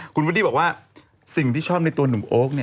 คุณวูดดี้บอกว่าสิ่งที่ชอบในตัวหนุ่มโอ๊ค